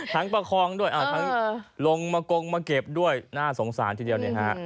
ประคองด้วยทั้งลงมากงมาเก็บด้วยน่าสงสารทีเดียวเนี่ยฮะ